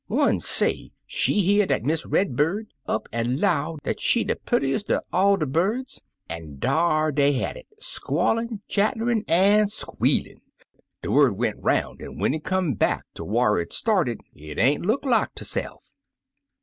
One say she hear dat Miss Red Bird up an' 'low dat she de purti est er all de birds, an' dar dey had it, squall in', chatterin', an' squealin'. De word went 'roun' an' when it come back ter whar it started, it ain't look like itse'f.